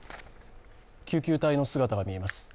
救急隊の姿が見えます。